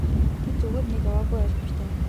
Тэд зүгээр нэг яваагүй нь ойлгомжтой.